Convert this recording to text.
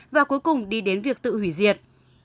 và cuối cùng đi đến việc tự hủy diệt